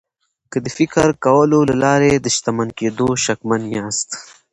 که د فکر کولو له لارې د شتمن کېدو شکمن یاست